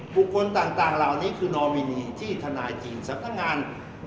บุคคลต่างเหล่านี้คือนอมินีที่ทนายทีมสำนักงาน